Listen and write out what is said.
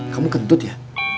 kamu gendut ya